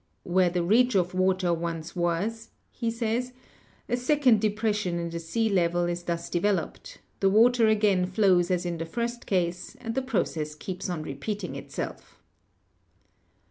"Where the ridge of water once was," he says, "a second depression in the sea level is thus de veloped ; the water again flows as in the first case, and the process keeps on repeating itself.